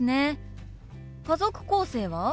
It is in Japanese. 家族構成は？